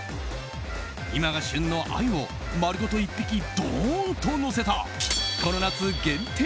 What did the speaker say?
今が旬の鮎を丸ごと１匹どーんとのせたこの夏限定！